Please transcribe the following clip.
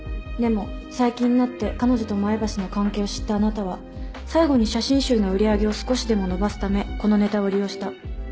でも最近になって彼女と前橋の関係を知ったあなたは最後に写真集の売り上げを少しでも伸ばすためこのネタを利用した。